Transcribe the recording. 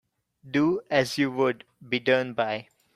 Do as you would be done by.